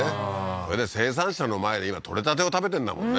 それで生産者の前で今取れたてを食べてんだもんね